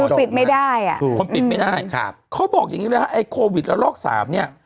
ปิดไม่ได้อ่ะคนปิดไม่ได้ครับเขาบอกอย่างงี้เลยฮะไอ้โควิดละลอกสามเนี้ย